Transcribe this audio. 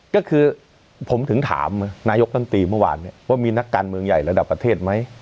ก็คือผมถึงถามนายกรัฐมนตรีเมื่อวานว่ามีนักการเมืองใหญ่ระดับประเทศไหม